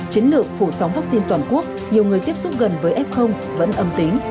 chiến lược phụ sóng vắc xin toàn quốc nhiều người tiếp xúc gần với f vẫn âm tính